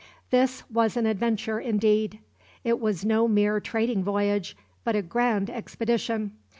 This was an adventure, indeed. It was no mere trading voyage, but a grand expedition.